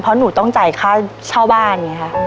ที่หนูต้องจ่ายค่าเช่าบ้าน